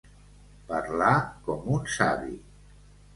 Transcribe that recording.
Parlar com un savi.